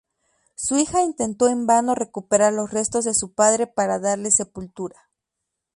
Su hija intentó en vano recuperar los restos de su padre para darles sepultura.